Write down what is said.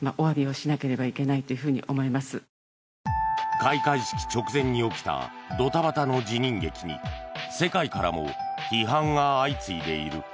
開会式直前に起きたドタバタの辞任劇に世界からも批判が相次いでいる。